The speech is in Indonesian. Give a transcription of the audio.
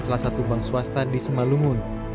salah satu bank swasta di simalungun